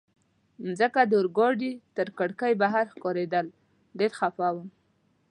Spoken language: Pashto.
مځکه د اورګاډي تر کړکۍ بهر ښکارېدل، ډېر خفه وم.